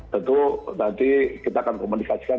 tentu nanti kita akan komunikasikan